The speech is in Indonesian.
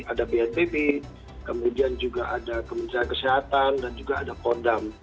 ada bnpb kemudian juga ada kementerian kesehatan dan juga ada kodam